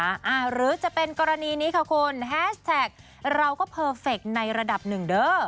หรือจะเป็นกรณีนี้ค่ะคุณแฮชแท็กเราก็เพอร์เฟคในระดับหนึ่งเด้อ